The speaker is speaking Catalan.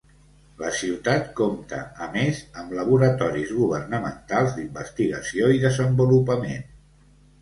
La ciutat compte, a més, amb laboratoris governamentals d'investigació i desenvolupament.